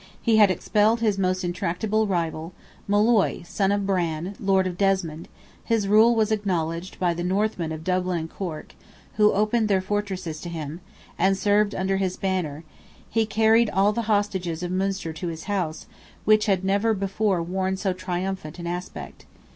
He had expelled his most intractable rival—Molloy, son of Bran, lord of Desmond; his rule was acknowledged by the Northmen of Dublin and Cork, who opened their fortresses to him, and served under his banner; he carried "all the hostages of Munster to his house," which had never before worn so triumphant an aspect.